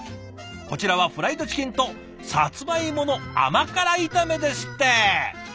こちらはフライドチキンとさつまいもの甘辛炒めですって！